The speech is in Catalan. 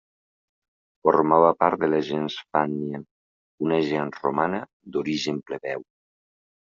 Formava part de la gens Fànnia, una gens romana d'origen plebeu.